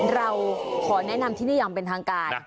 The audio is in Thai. เราขอแนะนำที่นี่อย่างเป็นทางการ